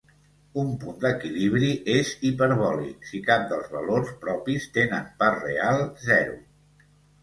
Un punt d'equilibri és hiperbòlic si cap dels valors propis tenen part real zero.